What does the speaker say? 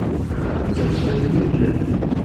D tiɣezfanin i tellamt?